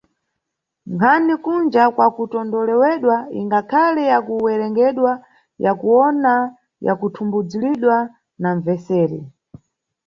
Nkhani kunja kwakutondolewedwa ingakhale ya ku werengedwa ya kuwona ya kuthumbudzulidwa na mbveseri.